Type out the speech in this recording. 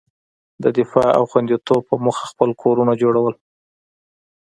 د دفاع او خوندیتوب په موخه خپل کورونه جوړول.